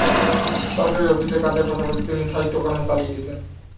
সরকারি অফিসে কাজের পাশাপাশি তিনি সাহিত্যকর্ম চালিয়ে গেছেন।